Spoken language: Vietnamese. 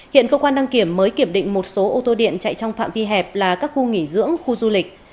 hiện cơ quan đăng kiểm mới kiểm định một số ô tô điện chạy trong phạm vi hẹp là các khu nghỉ dưỡng khu du lịch